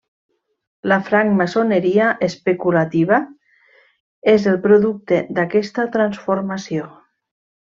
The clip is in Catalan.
La francmaçoneria especulativa és el producte d'aquesta transformació.